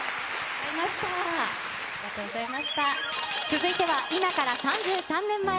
続いては、今から３３年前。